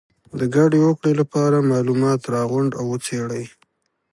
د ګډې هوکړې لپاره معلومات راغونډ او وڅېړئ.